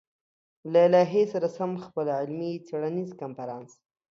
له لايحې سره سم خپل علمي-څېړنيز کنفرانس